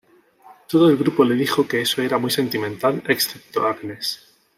Todo el grupo le dijo que eso era muy sentimental excepto Agnes.